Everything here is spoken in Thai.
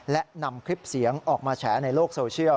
และนำคลิปเสียงออกมาแฉในโลกโซเชียล